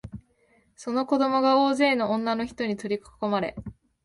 その子供が大勢の女のひとに取りかこまれ、